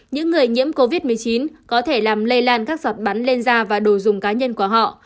những người nhiễm covid một mươi chín có thể làm lây lan các giọt bắn lên da và đồ dùng cá nhân của họ